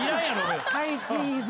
はいチーズ。